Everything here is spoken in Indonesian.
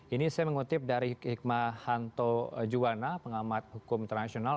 ini saya mengutip dari hikmahanto juwana pengamat hukum internasional